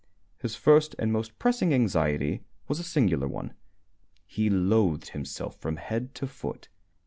His first and most pressing anxiety was a singular one. He loathed himself from head to foot.